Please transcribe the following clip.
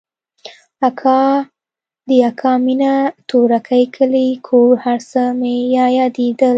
اکا د اکا مينه تورکى کلى کور هرڅه مې رايادېدل.